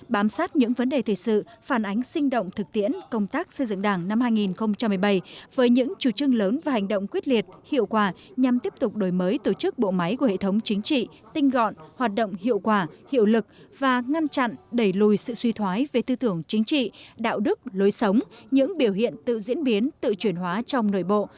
bám sát những vấn đề thực sự phản ánh sinh động thực tiễn công tác xây dựng đảng năm hai nghìn một mươi bảy với những chủ trương lớn và hành động quyết liệt hiệu quả nhằm tiếp tục đổi mới tổ chức bộ máy của hệ thống chính trị tinh gọn hoạt động hiệu quả hiệu lực và ngăn chặn đẩy lùi sự suy thoái về tư tưởng chính trị đạo đức lối sống những biểu hiện tự diễn biến tự chuyển hóa trong nội bộ